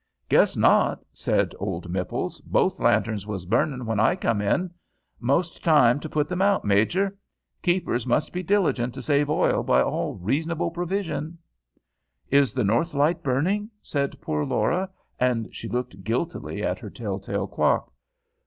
"Guess not," said old Mipples, "both lanterns was burning when I come in. 'Most time to put 'em out, Major! 'Keepers must be diligent to save oil by all reasonable prevision.'" "Is the north light burning?" said poor Laura. And she looked guiltily at her tell tale clock.